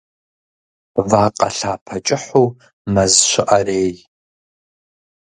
Вакъэ лъапэ кӀыхьу мэз щыӀэрей.